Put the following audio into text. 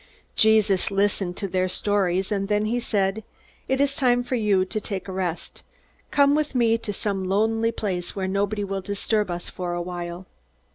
Jesus listened to their stories, and then he said: "It is time for you to take a rest. Come with me to some lonely place where nobody will disturb us for a while."